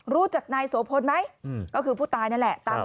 รู้จักนายโสพลไหมก็คือผู้ตายนั่นแหละ